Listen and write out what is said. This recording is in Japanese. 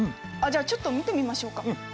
じゃあちょっと見てみましょうか。